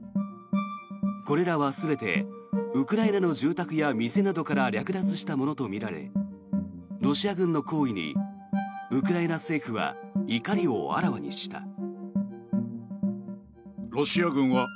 これらは全てウクライナの住宅や店などから略奪したものとみられロシア軍の行為にウクライナ政府は怒りをあらわにした。